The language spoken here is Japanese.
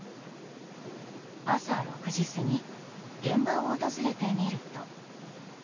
朝６時過ぎ現場を訪れてみると。